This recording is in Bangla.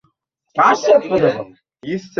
দুদিন অপেক্ষা কর নিজেই দেখবি?